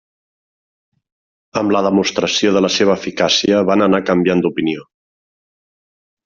Amb la demostració de la seva eficàcia van anar canviant d'opinió.